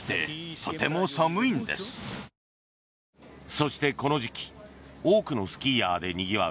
そして、この時期多くのスキーヤーでにぎわう